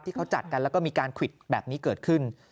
ที่เขาจัดกันแล้วก็มีการควิดแบบนี้เกิดขึ้น